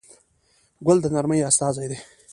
ګل د نرمۍ استازی دی.